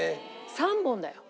３本だよ。